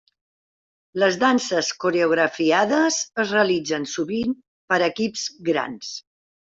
Les danses coreografiades es realitzen sovint per equips grans.